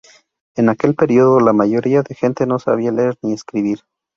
En aquel periodo, la mayoría de gente no sabía leer ni escribir.